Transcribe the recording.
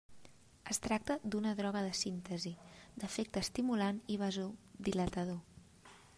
Es tracta d'una droga de síntesi, d'efecte estimulant i vasodilatador.